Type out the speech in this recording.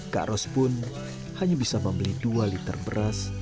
kak ros pun hanya bisa membeli dua liter beras